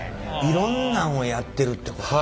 いろんなんをやってるってこと。